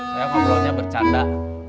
saya ngobrolnya bercanda